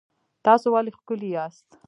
تاسو ولې ښکلي یاست؟